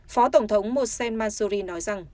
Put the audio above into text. phó tổng thống mohsen mansouri nói rằng